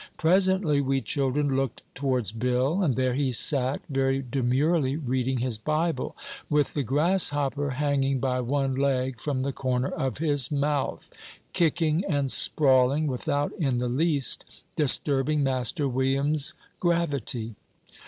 Presently we children looked towards Bill, and there he sat, very demurely reading his Bible, with the grasshopper hanging by one leg from the corner of his mouth, kicking and sprawling, without in the least disturbing Master William's gravity.